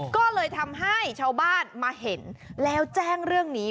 ก็เลยทำให้ชาวบ้านมาเห็นแล้วแจ้งเรื่องนี้